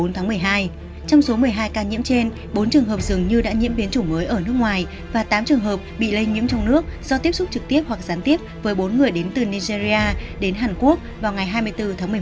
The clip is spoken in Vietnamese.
bốn tháng một mươi hai trong số một mươi hai ca nhiễm trên bốn trường hợp dường như đã nhiễm biến chủng mới ở nước ngoài và tám trường hợp bị lây nhiễm trong nước do tiếp xúc trực tiếp hoặc gián tiếp với bốn người đến từ nigeria đến hàn quốc vào ngày hai mươi bốn tháng một mươi một